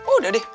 oh udah deh